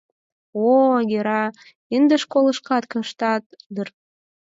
— О-о, Гера, ынде школышкат коштат дыр?..